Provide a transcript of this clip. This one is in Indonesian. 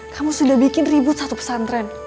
kamu sudah bikin ribut satu pesantren